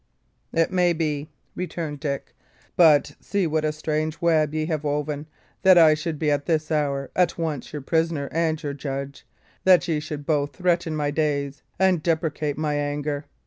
"It may be," returned Dick. "But see what a strange web ye have woven, that I should be, at this hour, at once your prisoner and your judge; that ye should both threaten my days and deprecate my anger.